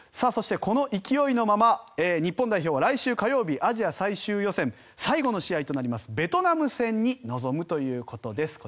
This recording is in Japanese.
そして、この勢いのまま日本代表は来週火曜日、アジア最終予選最後の試合となりますベトナム戦に臨むということです